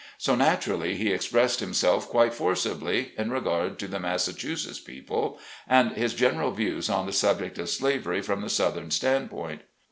So, naturally, he expressed himself quite forcibly in regard to the Massachusetts people, and his general views on the subject of slavery from the southern stand point.